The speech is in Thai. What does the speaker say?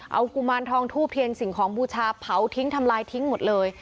เอากุมารทองทูบเทียนสิ่งของบูชาเผาทิ้งทำลายทิ้งหมดเลย